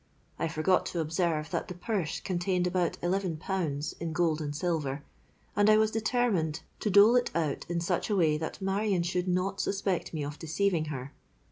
I forgot to observe that the purse contained about eleven pounds in gold and silver; and I was determined to dole it out in such a way that Marion should not suspect me of deceiving her.